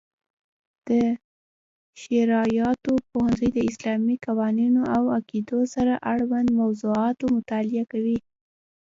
د شرعیاتو پوهنځی د اسلامي قوانینو او عقیدو سره اړوند موضوعاتو مطالعه کوي.